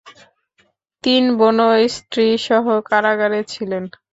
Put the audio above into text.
তিনি বোন ও স্ত্রীসহ কারাগারে ছিলেন।